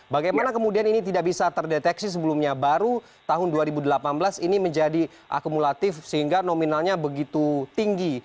bagaimana kemudian ini tidak bisa terdeteksi sebelumnya baru tahun dua ribu delapan belas ini menjadi akumulatif sehingga nominalnya begitu tinggi